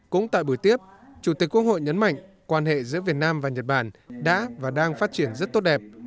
cũng tại buổi tiếp chủ tịch quốc hội nhấn mạnh quan hệ giữa việt nam và nhật bản đã và đang phát triển rất tốt đẹp